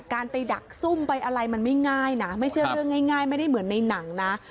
การไปดักซุ่มไปอะไรมันไม่ง่ายนะไม่ใช่เรื่องง่ายไม่ได้เหมือนในหนังนะ